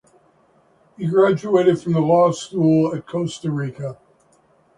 He graduated from the Law School of Costa Rica.